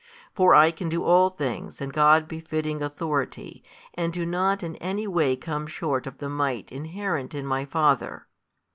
For I can do all things in God befitting Authority and do not in any way come short of the Might inherent in My Father.